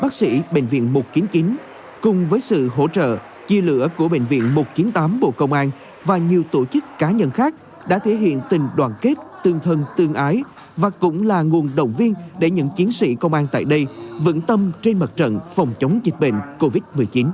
bác sĩ bệnh viện một trăm chín mươi chín cùng với sự hỗ trợ chia lửa của bệnh viện một trăm chín mươi tám bộ công an và nhiều tổ chức cá nhân khác đã thể hiện tình đoàn kết tương thân tương ái và cũng là nguồn động viên để những chiến sĩ công an tại đây vững tâm trên mặt trận phòng chống dịch bệnh covid một mươi chín